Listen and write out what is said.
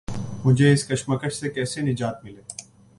مجھے اس کشمکش سے کیسے نجات ملے؟